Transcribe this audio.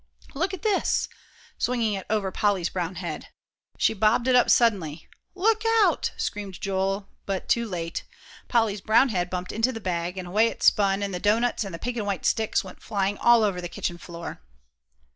"Look at this!" swinging it over Polly's brown head. She bobbed it up suddenly. "Look out!" screamed Joel, but too late; Polly's brown head bumped into the bag, and away it spun, and the doughnuts and pink and white sticks went flying all over the kitchen floor.